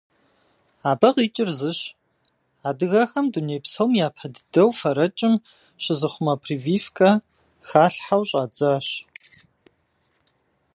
Абы къикӏыр зыщ: адыгэхэм дуней псом япэ дыдэу фэрэкӏым щызыхъумэ прививкэ халъхьэу щӏадзащ.